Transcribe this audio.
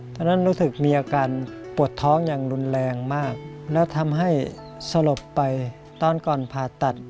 ตอนนั้นรู้สึกมีอาการปวดท้องอย่างรุนแรงมากแล้วทำให้สลบไปตอนก่อนผ่าตัด